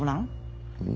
うん。